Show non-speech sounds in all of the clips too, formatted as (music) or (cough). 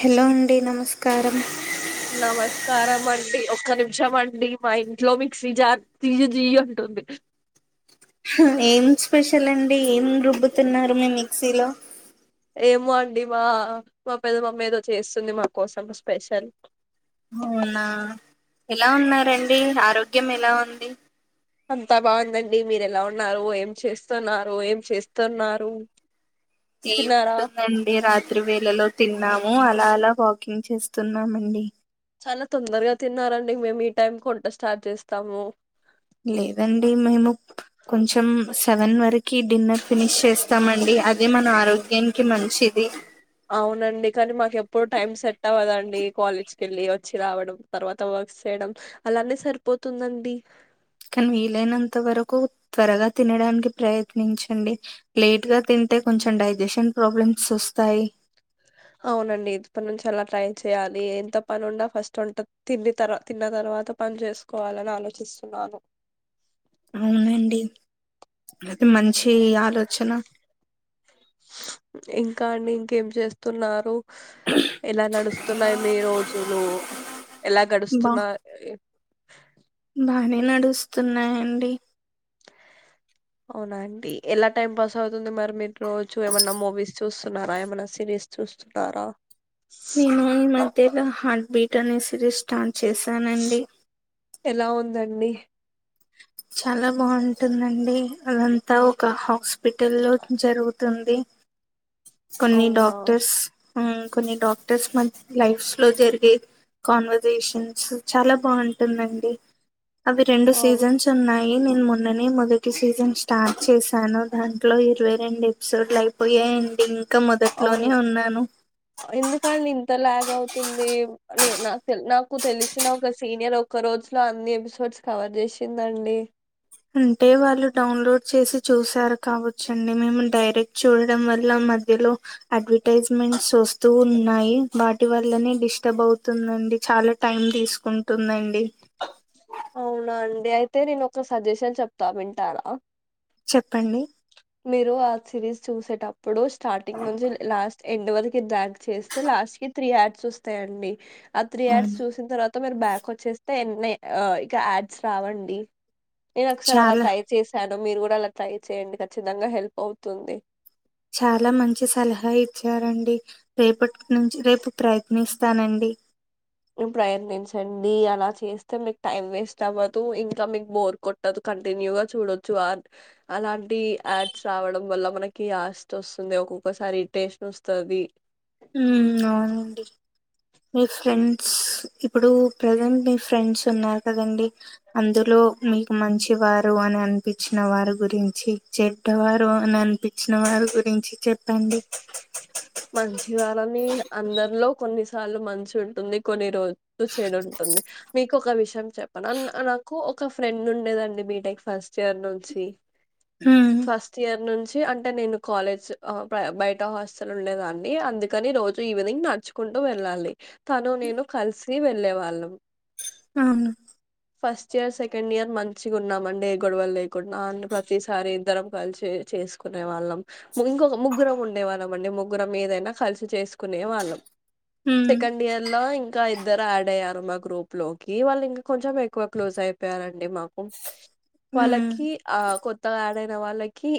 Hello అండి నమస్కారం. నమస్కారం ఒక్క నిమిషం అండి మా ఇంట్లో మీక్సి జార్ జియ్ జీయ్ అంటుంది. ఏం స్పెషల్ అండి. ఏం రుబ్బుతున్నారు మీ మీక్ సిలో ఏమో అండి మా మా పెదమమ్మ ఏదో చేస్తుంది మా కోసం స్పెషల్ అవునా ఎలా ఉన్నారండి. ఆరోగ్యం ఎలా ఉంది. అంతా బాగుందండి మీరు ఎలా ఉన్నారు. ఏం చేస్తున్నారు. ఏం చేస్తున్నారు. ఏం తిన్నారా ఉంటుందండి రాత్రి వేళలో తిన్ తిన్నాము అలా అలా వాకింగ్ చేస్తున్నామండి. చాలా తొందరగా తిన్నారండి. మేము ఈ టైం వంట స్టార్ట్ చేస్తాము. లేదండి మేము కొంచెం స్ సెవన్ వరకు కి డిన్నర్ ఫినిష్ చేస్తామండి అ ఇది మన ఆరోగ్యానికి మన అవునండి కానీ మాకు ఎప్పుడు టైం సెట్ అవ్వదండి. కాలేజ్క వెళ్ళి, వచ్చి రావడం, తర్వాత వర్క్ చేయడం అలానే సరిపోతుందండి. కానీ వీలైనంత వరకు త్వరగా తినడానికి ప్రయత్నించండి. లేట్గా తింటే కొంచెం డైజెషన్ ప్రాబ్లమ్స్ వస్తాయి. అవునండి ఇప్పటి నుంచి అలా ట్రై చేయాలి. ఎంత పని ఉన్న ఫస్ట్ వంట తిండి తర్ తిన్న తర్వాత పని చేసుకోవాలని ఆలోచిస్తున్నాను. అవునండి అది మంచి ఇ ఆలోచనా (inaudible) కానీ ఇంకేం చేస్తున్నారు. (unintelligible) ఎలా నడుస్త తున్నాయి మీ రోజులు ఎలా బా గడుస్తున్నాయి. బానే నడుస్తున్నాయండి. అవునా అండి ఎలా టైం పాస్ అవుతుంది మరి మీరు రోజు ఏ మన్నా మూవీస్ చూస్తున్నారా ఏమైన సిరీస్ చూస్తున్నారా. హ మ (unintelligible) అంతేగా హార్ట్ బీట్ అనే సిరీస్ స్టార్ట్ చేశానండి. ఎలా ఉందండి. చాలా బాగుంటుందండి అదంతా ఒక హాస్పి హస్పిటల్లో జరుగు తుంది కొన్ని అవునా డాక్టర్స్ కొన్ని డాక్టర్స్ మధ్య లైఫ్స్ లో జరిగే కాన్వర్జేషన్స్ చాలా బాగుంటుందండి. అవి రెండు అవును సీజన్స్ యి నేను మొన్ననే మొదటి సీజన్ స్టార్ట్ చేశాను. దాంట్లో ఇరవై రెండు ఎపిసోడ్లు అయిపోయాయండి. ఇంకా మొదట్లోనే అవును ఉన్నాను ఎందుకని ఇంత లాగ్ అవుతుంది నేను నాకు తె నాకు తెలిసిన ఒక సీనియర్ ఒక్క రోజులో అన్ని ఎపిసోడ్స్ కవర్ చేసిందండి. అంటే వాళ్ళు డౌన్లోడ్ చేసి చూసారు కావచ్చండి. మేము డైరెక్ట్ చూడడం వల్ల మధ్యలో అడ్వర్టజ్మెంట్స్ వస్తూ ఉన్నాయి. వాటి వల్లనే డిస్టర్బ్ అవుతుందండి చాలా టైం తీసుకుంటుందండి. అవునా అండి అయితే నేను ఒక సజెషన్ చెప్తా వింటారా. చెప్పండి మీరు ఆ సిరీస్ చూసేటప్పు ఇప్పుడు స్టార్టింగ్ నుంచి లాస్ట్ ఎండ్ వరకు ద్యాక్ చేస్తే లాస్ట్ కి త్రీ యాడ్స్ వస్తాయండి ఆ త్రీ యాడ్స్ అవును చూసిన తర్వాత మీరు బ్యాక్ వచ్చే టె ఎన్ని ఇక యాడ్స్ రావండి నేను ఒకసారి అలా చాలా ట్రై చేశాను మీరు కూడా అలా ట్రై చేయండి ఖ చ్చితంగా హెల్ప్ అవుతుంది చాలా మంచి సలహా ఇచ్చారండి రేపటి నుంచి రేపు ప్రయత్నిస్త స్తానండి ప్రయత్నించండి అలా చేస్తే మీకు టైం వేస్ట్ అవ్వదు ఇంకా మీకు బోర్ కొట్టదు కంటిన్యూగా చూడొచ్చు అలాంటి యాడ్స్ రావడం వల్ల మనకి యాష్ట వస్తుంది ఒక్కొక్కసారి ఇరిటేషన్ వస్తది ఉమ్ అవునండి మీ ఫ్రెండ్స్ ఇప్పుడు ప్రెజెంట్ మీ ఫ్రెండ్స్ ఉన్నారు కదండీ అందులో మీకు మంచివారు అని అనిపించిన వారి గురించి చెడ్డవారు అని అనిపించిన వారి గురించి చెప్పండి (inaudible) మంచి వారని అందరిలో కొన్ని సార్లు మంచి ఉంటుంది కొన్ని రోజు చేడు ఉంటుంది మీకు ఒక విషయం చెప్పన అ నాకు ఒక ఫ్రెండ్ ఉండేదండి బిటెక్ ఫస్ట్ ఇయర్ నుంచి ఉమ్ ఫస్ట్ ఇయర్ నుంచి అంటే నేను కాలేజ్ ఆ బయ ట హాస్టల్ లో ఉండేదండి అందుకని రోజు ఈవినింగ్ నడుచుకుంటూ వెళ్ళాలి తను నేను కలిసి వెళ్ళే వాళ్ళము అవును ఫస్ట్ ఇయర్ సెకండ్ ఇయర్ మంచిగా ఉన్నామండి ఏ గొడవలు లేకుండా అ ప్రతిసారి ఇద్దరం కలిసి చేసుకునే వాళ్ళం ఇంకొక ముగ్గురం ఉండేవాళ్ళం అండి ముగ్గురం ఏదైనా కలిసి చేసుకునే వాళ్ళం ఉమ్ సెకండ్ ఇయర్ లో ఇంకా ఇద్దరు యాడ్ అయ్యం మా గ్రూప్ లోకి వాళ్ళు ఇంకా కొంచెం ఎ ఎక్కువ క్లోజ్ అయిపోయారండి మాకు ఉమ్ వాళ్ళకి ఆ కొత్త గా యాడ్ న వాళ్ళకి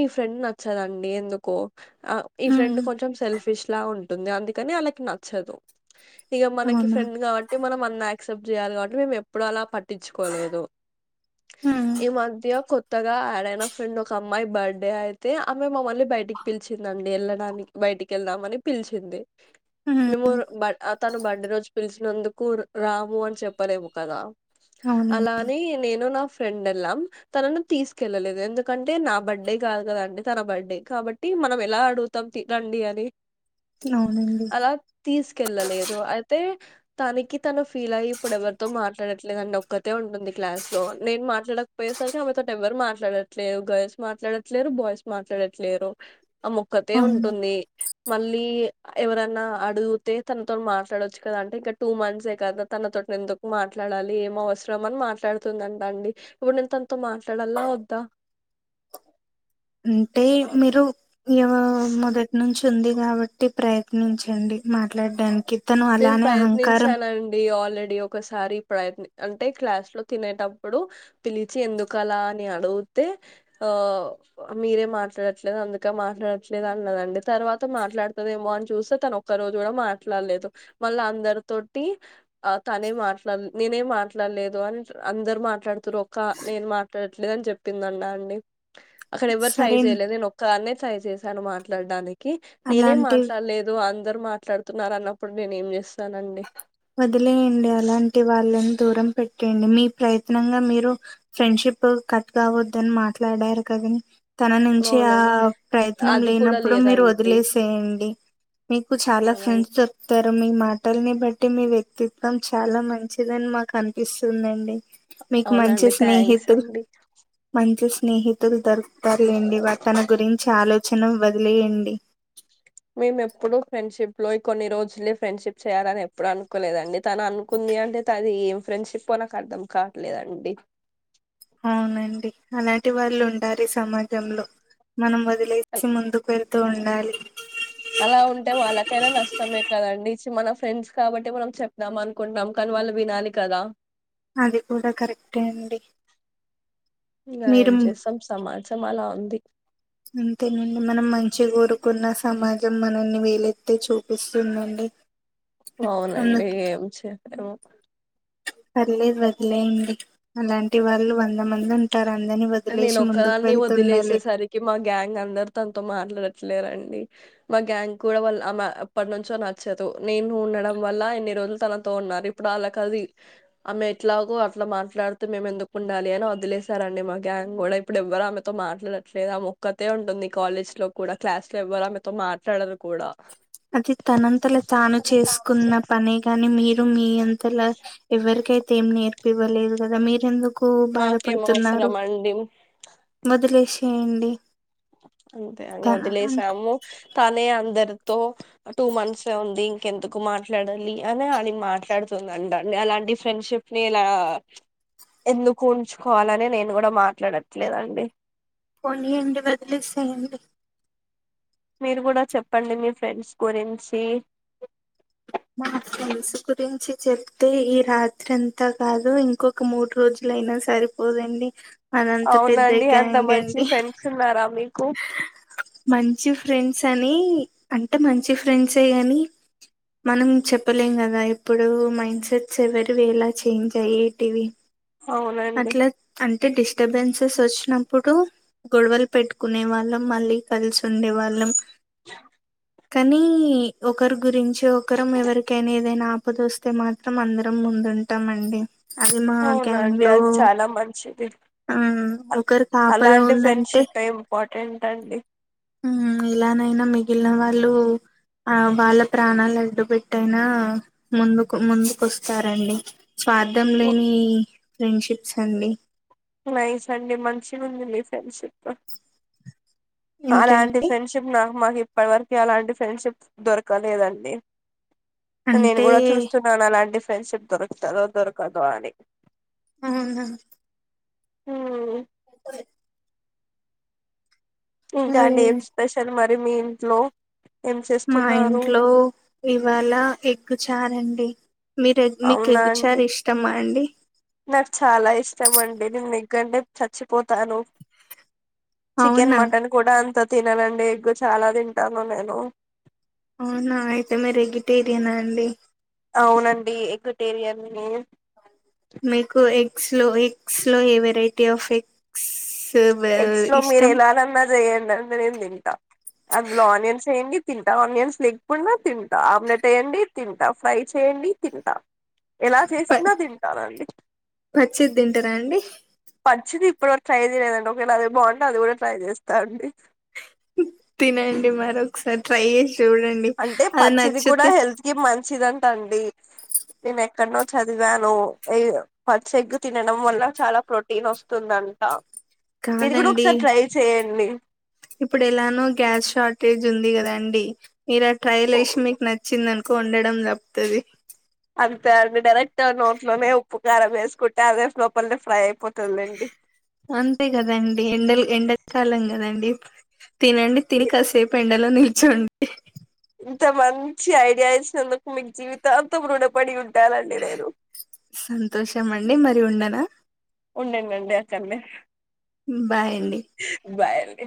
ఈ ఫ్రెండ్ నచ్చదండి ఎందుకో ఆ ఈ ఫ్రెండ్ ఉమ్ కొంచెం సెల్ఫిష్ లా ఉం ఉంటుంది అందుకని వాళ్ళకి నచ్చదు ఇగ మనకి అవునా ఫ్రెండ్ కాబట్టి మనం అ ఆక్సిప్ట్ చేయాలి కాబట్టి మేము ఇప్పుడు అలా పట్ పట్టించుకోలేదు ఉమ్ ఈ మధ్య కొ కొత్తగా యాడయిన ఫ్రెండ్ ఒక అమ్మాయి బర్త్డే అయితే ఆమె మమ్మల్ని బయటికి పిలిచిందండి వెళ్ళడానికి బయటికి వెళ్దామని పిలిచింది ఉమ్ మిమ్ ర్ బర్ అ తను బర్డ్ రోజు పిలిచినందుకు రాము అని చెప్పలేము కదా అవునండి అలా అని నేను నా ఫ్ ఫ్రెండ్ ఎళ్ళాం తనను తీసుకెళ్ళలేదు ఎందుకంటే నా బడే కాదు కదండి తన బడే, కాబట్టి మనం ఎలా అడుగుతాం రండి అని. అవునండి అలా తీసుకెళ్ళలేదు అయితే తానికి తను ఫీల్ ఆయి ఇప్పుడు ఎవ తో మాట్లాడట్లేదండి ఒక్కతే ఉంటుంది క్లాస్ లో నేను మాట్లాడకపోయేసరికి ఆమెతోటి ఎవరు మాట్లాడట్లేరు గర్ల్స్ మాట్లాడట్లేరు బాయ్స్ మాట్లాడట్లేరు. ఆమోక్కతే అవును ఉంటుంది మళ్ళీ ఎవరన్నా అడుగుతే తనతో మాట్లాడొచ్చు కదా అంటే ఇంకా టూ మంత్సే కదా తనతోటి ఎందుకు మాట్లాడాలి ఏం అవసరం అని మాట్లాడుతుందంట అండి. ఇప్పుడు నేను తనతో మాట్లాడల్నా వద్దా? అంటే మీరు ఎవరు మొదటి నుంచి ఉంది కాబట్టి ప్రయ త్నించండి మాట్లాడడానికి తను నేను అలానే అహంకారం ప్రయత్నించానండి ఆల్ ఆల్రెడీ ఒకసారి ప్రయత్న్ అంటే క్లాస్ లో తినేటప్పుడు పిలిచి ఎందుకలా అని అడుగుతే, ఆ మీరే మాట్లాడట్లేదు అందుకే మాట్లాడట్లేదు అన్నదండి తర్వాత మాట్లాడతదేమో అని చూస్తే తను ఒక్క రోజు కూడా మాట్లాడలేదు. మల్ల అందరితోటి తనే మాట్లాడలే నేనే మాట్లాడలేదు అందరు మాట్లాడుతురు ఒక్క నేను మాట్లాడట్లేదు అని చెప్పిందట అండి. అక్కడ ఎవరు ట్రై సరే చేయలేదు నేనొక్కదాన్నే ట్రై చేశాను మాట్లాడడాని కీ నేనే అలాంటి మాట్లాడలేదు అ అందరు మాట్లాడుతున్నారన్న ఇప్పుడు నేనేంచేస్తానండి ఓకే అండి మీ ప్రయత్నంగా మీరు ఫ్రెండ్షిప్ కట్ కావద్దని మాట్లాడారు కాదా తన నుంచి ఆ అవునండి ప్రయత్నం అది కూడా లేనప్పుడు మీరు లేదండి వదిలేసేయండి మీకు చాలా అవునండి ఫ్రెండ్స్ వొత్తార్ మీ మాటల్ని బట్టి అంటే మీ వ్యక్తిత్వం చాలా మంచిదని మాకు అనిపిస్తుందండి మీకు మంచి అవునండి థ్యాంక్స్ స్నేహితులు అండి మంచి స్నేహితులు తరపు ర్లేండి తన గురించి ఆలో చన వదిలేయండి మేము ఎప్పుడు ఫ్రెండ్షిప్ లో కొన్ని రోజులే ఫ్రెండ్షిప్ చేయాలని ఎప్పుడు అనుకోలేదండి తను అనుకుంది అంటే తది ఫ్రెండ్షిప్ పో నాకు అర్థం కాట్లేదండి అవునండి అలాంటి వాళ్ళు ఉంటారు ఈ సమాజంలో మనం అల్ వదిలేసి ముందుకు ఎల్ నీతో ఉండాలి అలా ఉంటే వాళ్ళకైనా నష్టమే కదండి మన ఫ్రెండ్స్ కాబట్టి మనం చెప్పుదాం అనుకుంటాం కానీ వాళ్ళు వినాలి కదా అది కూడా కరెక్టే అండి ఇక మీరు ఏం చేస్తాం సమాజం అలా ఉంది ది అంతేనండి మనం మంచి కోరుకున్న సమాజం మనల్ని వేలెత్తి ఎత్తి చూపిస్తుందండి అందు అవునండి ఏం చెప్పు పర్లేదు వదిలేయండి అలాంటి వాళ్ళు వంద మంది ఉంటారు అందరిని నేను వదిలేసి ముందుకు ఒక్కదాన్ని వెళ్తుండాలి వదిలేసేసరికి మా గ్యాంగ్ అందరు తనతో మాట్లాడరు లేరండి మా గ్యాంగ్ కూడా వాళ్ళ ఆమె అప్పటి నుంచో నచ్చదు నేను ఉండడం వల్ల ఎన్ని రోజులు తనతో ఉన్నారు ఇప్పుడు అళ్ళకిది ఆమె ఎట్లాగో అట్లా మాట్లాడుతూ మేము ఎందుకు ఉండాలి అని వదిలేశారండి మాకు. గ్యాంగ్ కూడా ఇప్పుడు ఎవరు ఆమెతో మాట్లాడట్లేదు ఆ మొక్కతే ఉంటుంది కాలేజ్ లో కూడా, క్లాస్ లో కూడా, ఆమెతో మాట్లాడరు కూడా అది తనంతలో తాను చేసుకున్న పనే గాని మీరు మీ అంతలా ఎవరికైతే ఏం నేర్ పిలవలేదు కదా మీరెందుకు ఎక్కువ మాకేం బాధపడుతున్నారు అవసరం అండి వదిలేసి ఏండి. అంతే అమె వదిలేసాము తనేే అందర తనతో టూ మంత్స్ ఉంది ఇంకెందుకు మాట్లాడాలి అని ఆమె మాట్లాడుతుందిండి అండి అలాంటి ఫ్రెండ్షిప్ ని ఇలా ఎందుకు ఉంచుకోవాలని నేను కూడా మాట్లాడట్లేదండి పోనీ అండి ఒదిలేసేయండి మీరు కూడా చెప్పండి మీ ఫ్రెండ్స్ గురించి మా ఫ్రెండ్స్ గురించి చెప్తే ఈ రాత్రి అంతా కాదు ఇంకొక మూడు రోజులయినా సరిపోదండి అదంత పెద్ద అవునండి అంత గ్యాంగ్ మంచి అండి ఫ్రెండ్స్ ఉన్నారా మీకు మంచి ఫ్రెండ్స్ అని అంటే మంచి ఫ్రెండ్స్ కాని మనం చెప్పలేం కదా ఇప్పుడు మైండ్ సెట్స్ ఎవరివి ఎలా చేంజ్ అయ్యేటివి. అవునండి అట్లా అంటే డిస్టర్బెన్సెస్ వచ్చినప్పుడు గొడవలు పెట్టు కొట్టుకునే వాళ్ళం మళ్ళీ కలిసి ఉండే వాళ్ళం. కానీ ఒకరి గురించి ఒకరం ఎవరికైనా ఏదైనా ఆపద వస్తే మాత్రం అందరం ముందుంటాము అండి అది మా గ్యాంగ్ అవునండి లో అది చాలా మంచిది ఆ అ- ఒకరికి ఆపద అలాంటి ఉందంటే ఫ్రెండ్షిప్ ఇంపార్టెంట్ అండి ఉ ఇలానైనా మిగిలిన వాళ్ళు ఆ వాళ్ళ ప్రాణాలు అడ్డు పెట్టయినా ముందుకు ముందుకు వస్తారండి స్వార్థం లేని ఫ్రెండ్షిప్స్ అండి నైస్ అండి మంచిగా ఉంది మీ ఫ్రెండ్షిప్ అలాంటి ఏంటండి ఫ్రెండ్షిప్ నాకు మాకి ఇప్పటి వరక అలాంటి ఫ్రెండ్షిప్ దొరకలేదండి నేను అంటే కూడా చూస్తున్నాను అలాంటి ఫ్రెండ్షిప్ దొరుకుతుద దొరకదు అనే ఆ హ (unintelligible) ఇంకా అండి లేదండి ఏం స్పెషల్ మరి మీ ఇంట్లో ఏం మా చేస్తున్నారు ఇంట్లో ఇవాళ ఎగ్గుచారండి మీర మీకు అవునా అండి ఎగ్చార్ ఇష్టమ్మా అండి నాకు చాలా ఇష్టం అండి నేను ఎగ్ అంటే చచ్చిపోతాను చికెన్ అవునా మటన్ కూడా అంత తిననండి ఎగ్గు చాలా తింటాను నేను అవునా అయితే వెజిటేరియనా అండి అవునండి ఎగ్టేరియని మీకు ఎగ్స్ లో ఎగ్స్ లో ఏ వెరై టిఫక్స్ (unintelligible) ఎక్స్ట్ లో మీరు ఎలాాలన్నారు చేయండి అ నేను తింటా అందులో ఆనియన్స్ వేయండి తింటా ఆనియన్స్ లేగపోండా తింటా ఆమ్లెట్ వేయండి తింటా ఫ్రై చేయండి తింటా ఎలా ప చేసినా తింటానండి పచ్చిది తింటారా అండి పంచిిది ఇప్పుడుర ట్రై చేయలేదండి ఒకేళ అది బాగుంటే అది కూడా ట్రై చేస్తా అండి తినండి మరొకసారి ట్రై చే అంటే పచ్చిది కూడా హెల్త్ కి మంచి మంచిదంట అండి నేను ఎక్కడనో చదివాను పచ్చ ఎగ్గు తినడం వల్ల చాలా ప్రోటీన్ వస్తుందంట ఇది కూడా కాదండి ఒకసారి ట్రై చేయండి ఇప్పుడు ఎలానో గ్యాస్ షార్టేజ్ ఉంది కదండి అండి మీరా ట్రైల్ వసి మీకు నచ్చిందం కొండడం తపుతది అంతే అండి డైరెక్ట్ నోట్లోనే ఉప్పు కారం వేసుకుంటే అదే లోపలినే ఫ్రై అయిపోతుంది అంతే కదండి ఎండలు ఎండకాలం కదండడి తినండి తిని కాసేపు ఎండలో నిల్చండి ఇంత మంచి ఐడియా ఇచ్చినందుకు మీకు జీవితాంతం రుణపడి ఉంటాఅండి నేను సంతోషం అండి మరి ఉండనా ఉండ ఉన్నాడికే హ బయలే